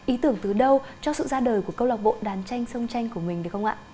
ý tưởng từ đâu cho sự ra đời của câu lạc bộ đàn tranh sông tranh của mình được không ạ